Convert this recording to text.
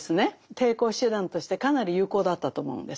抵抗手段としてかなり有効だったと思うんです。